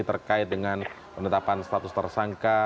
terkait dengan penetapan status tersangka